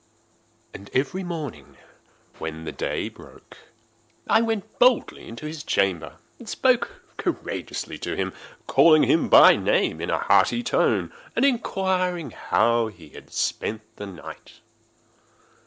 And every morning, when the day broke, I went boldly into the chamber, and spoke courageously to him, calling him by name in a hearty tone, and inquiring how he has passed the night.